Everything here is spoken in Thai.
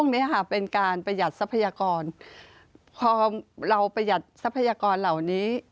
เนี้ยค่ะเป็นการประหยัดทรัพยากรพอเราประหยัดทรัพยากรเหล่านี้